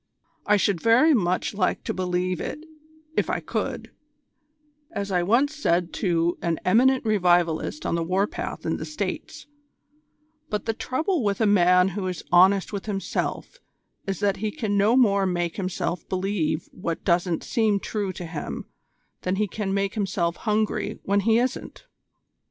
"I should very much like to believe it if I could, as I once said to an eminent revivalist on the war path in the States; but the trouble with a man who is honest with himself is that he can no more make himself believe what doesn't seem true to him than he can make himself hungry when he isn't.